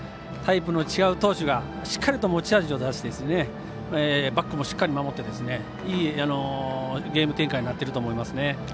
タイプの違う投手がしっかり持ち味を出してバックもしっかり守っていいゲーム展開になっていると思いますね。